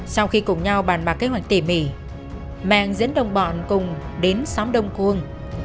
sau khi cùng nhau bàn bạc kế hoạch tỉ mỉ mã văn mèng dẫn đồng bọn cùng đến xóm đông khuôn